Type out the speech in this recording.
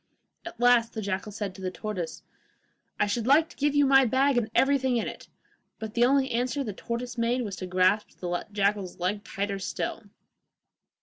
At last the jackal said to the tortoise, 'I should like to give you my bag and everything in it,' but the only answer the tortoise made was to grasp the jackal's leg tighter still.